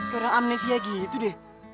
gara amnesia gitu deh